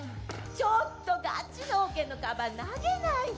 ちょっとガチ脳研のカバン投げないで。